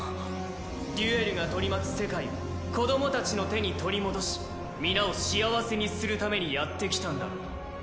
デュエルが取り巻く世界を子どもたちの手に取り戻し皆を幸せにするためにやってきたんだろう。